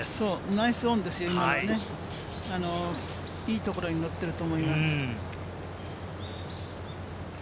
ナイスオンですよ、今のはいいところに行っていると思います。